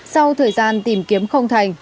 sau thời gian tìm kiếm không thành